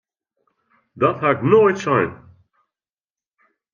Dat ha ik noait sein!